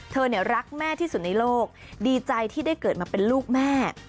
รักแม่ที่สุดในโลกดีใจที่ได้เกิดมาเป็นลูกแม่